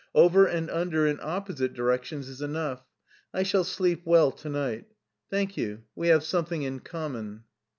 Over and under in opposite directions is enough; I shall sleep well to night. Thank you ; we have something in common."